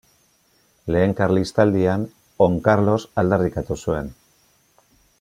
Lehen Karlistaldian On Karlos aldarrikatu zuen.